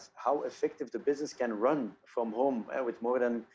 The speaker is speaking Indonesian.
betapa efektifnya bisnis bisa berjalan dari rumah